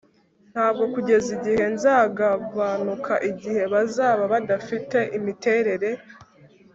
Ntabwo kugeza igihe nzagabanuka igihe bazaba badafite imiterere